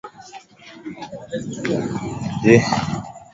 ya kutafuta njia za kukabiliana na machafuko yanayoendelea nchini libya